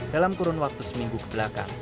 dalam kurun waktu seminggu kebelakang